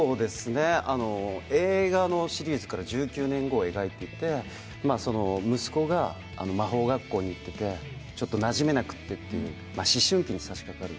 映画のシリーズから１９年後を描いていて、息子が魔法学校に行っててちょっとなじめなくてという思春期にさしかかる。